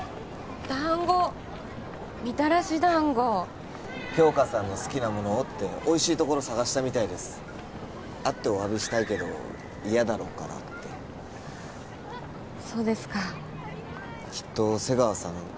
団子みたらし団子杏花さんの好きなものをっておいしいところ探したみたいです会ってお詫びしたいけど嫌だろうからってそうですかきっと瀬川さん